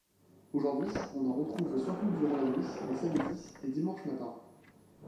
Aujourd'hui, on en retrouve surtout durant la nuit, les samedis et dimanches matins.